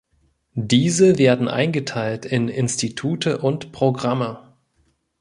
Diese werden eingeteilt in "Institute" und "Programme".